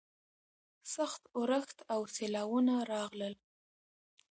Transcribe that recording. سخت اورښت او سیلاوونه راغلل.